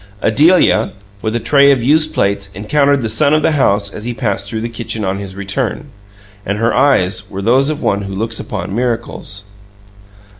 Adelia, with a tray of used plates, encountered the son of the house as he passed through the kitchen on his return, and her eyes were those of one who looks upon miracles.